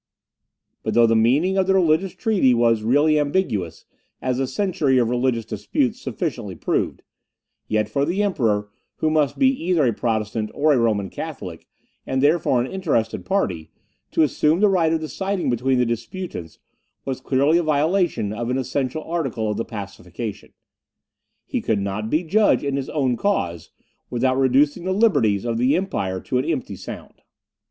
But though the meaning of the religious treaty was really ambiguous, as a century of religious disputes sufficiently proved, yet for the Emperor, who must be either a Protestant or a Roman Catholic, and therefore an interested party, to assume the right of deciding between the disputants, was clearly a violation of an essential article of the pacification. He could not be judge in his own cause, without reducing the liberties of the empire to an empty sound.